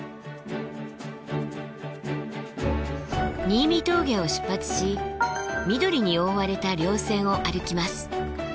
新見峠を出発し緑に覆われた稜線を歩きます。